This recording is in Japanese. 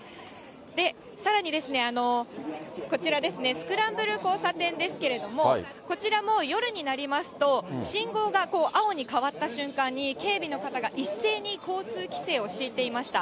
さらに、こちら、スクランブル交差点ですけれども、こちらも夜になりますと、信号が青に変わった瞬間に、警備の方が一斉に交通規制を敷いていました。